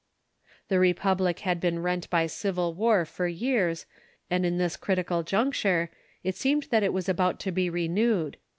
] The republic had been rent by civil war for years; and in this critical juncture, it seemed that it was about to be renewed.